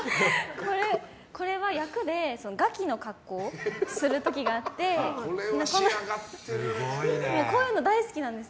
これは役で餓鬼の格好をする時があってこういうの大好きなんです。